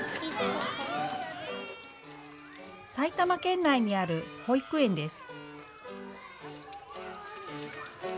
埼玉県内にある保育園です。